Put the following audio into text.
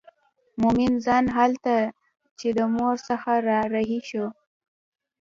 مومن خان هلته چې د مور څخه را رهي شو.